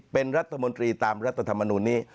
เป็นรัฐมนตรีตามรัฐธรรมนูลนี้